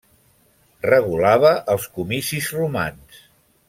Regulava els comicis romans.